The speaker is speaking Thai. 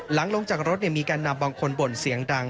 ลงจากรถมีแกนนำบางคนบ่นเสียงดัง